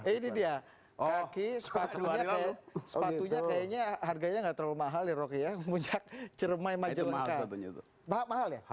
ini dia kaki sepatunya kayaknya harganya tidak terlalu mahal ya rocky ya punya cermai majelengka